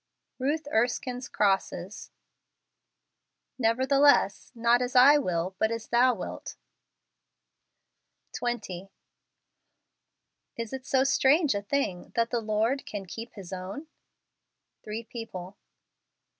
Ruth Erskine's Crosses. " Nevertheless, not as I will , but as thou wilt." 20. Is it so strange a thing that the Lord can keep his own f Three People.